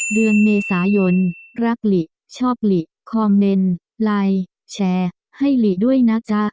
เดือนเมษายนรักหลิชอบหลีคอมเมนต์ไลน์แชร์ให้หลีด้วยนะจ๊ะ